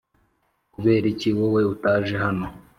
kuberiki wowe utaje hano